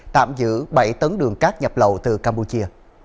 tạm giữ bảy tấn đường cát nhập lậu từ campuchia